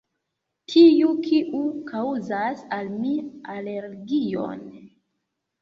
Tiu, kiu kaŭzas al mi alergion...